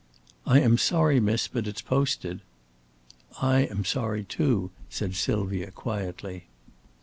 "I am sorry, miss, but it's posted." "I am sorry, too," said Sylvia, quietly.